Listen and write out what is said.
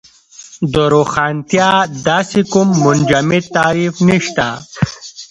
د روښانتیا داسې کوم منجمد تعریف نشته.